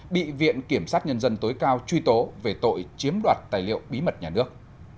bị viện kiểm sát nhân dân tối cao truy tố về tội chiếm đoạt tài liệu bí mật nhà nước